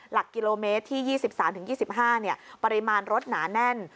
หลักกิโลเมตรที่๒๓๒๕ปริมาณรถหนาแน่น